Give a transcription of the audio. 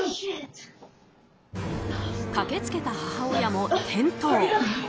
駆け付けた母親も転倒。